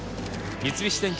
三菱電機